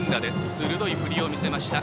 鋭い振りを見せました。